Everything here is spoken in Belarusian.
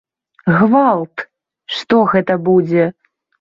Гвалт, што гэта будзе!